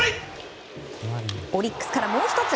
オリックスから、もう１つ。